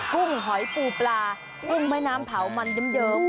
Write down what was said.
ปุ้งหอยปูปลาปุ้งไม้น้ำเผามันเยี่ยมเดิม